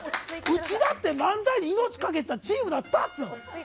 うちだって漫才に命を懸けてたチームだったんだよ！